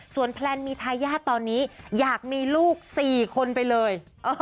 ส่วนแพลนมีทายาทตอนนี้อยากมีลูก๔คนไปเลย